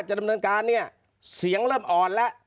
ดำเนินการเนี่ยเสียงเริ่มอ่อนแล้ว